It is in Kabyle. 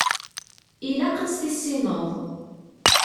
Ilaq ad tt-tissineḍ.